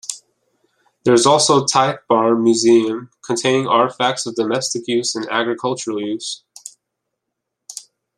There is also the Tithe Barn Museum, containing artifacts of domestic and agricultural use.